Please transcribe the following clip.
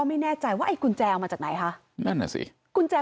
ไม่แน่ใจว่าไอ้กุญแจเอามาจากไหนคะนั่นน่ะสิกุญแจ